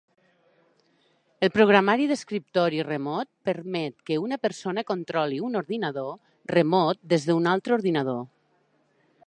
El programari d'escriptori remot permet que una persona controli un ordinador remot des d'un altre ordinador.